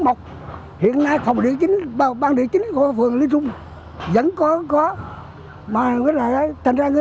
mọc hiện nay phòng địa chính bang địa chính của phường lý trung vẫn có